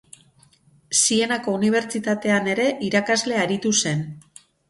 Sienako unibertsitatean ere irakasle aritu zen.